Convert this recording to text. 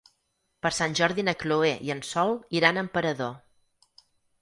Per Sant Jordi na Chloé i en Sol iran a Emperador.